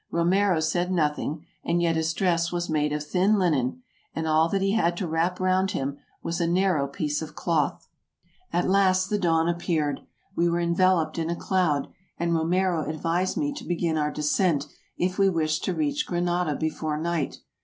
Romero said nothing, and yet his dress was made of thin linen, and all that he had to wrap round him was a narrow piece of cloth. At last the dawn appeared ; we were enveloped in a cloud, and Romero advised me to begin our descent, if we wished to reach Granada before night.